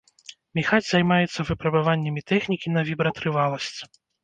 Міхась займаецца выпрабаваннямі тэхнікі на вібратрываласць.